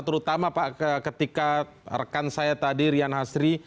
terutama pak ketika rekan saya tadi rian hasri